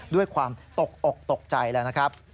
ด้วยความตกอกตกใจแล้วนะครับ